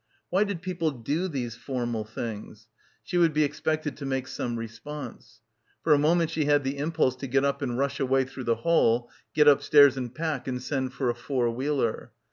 Why did people do these formal things? She would be expected to make some response. For a moment she had the impulse to get up and rush away through the hall, get upstairs and pack and send for a four wheeler.